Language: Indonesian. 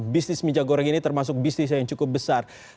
bisnis minyak goreng ini termasuk bisnis yang cukup besar